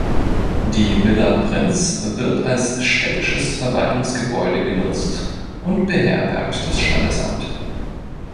Die Villa Prinz wird als städtisches Verwaltungsgebäude genutzt und beherbergt das Standesamt.